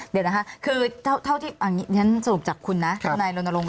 เดี๋ยวนะคะคือเท่าที่สมมุติจากคุณนะท่านนายนรณรงค์